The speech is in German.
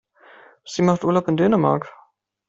Sie macht Urlaub in Dänemark.